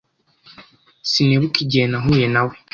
Sinibuka igihe nahuye nawe.